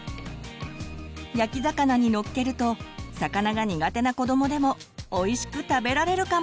焼き魚にのっけると魚が苦手な子どもでもおいしく食べられるかも！